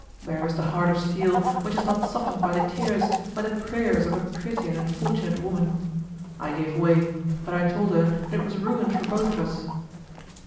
Where is the heart of steel which is not softened by the tears, by the prayers of a pretty and unfortunate woman? I gave way, but I told her that it was ruin for both of us.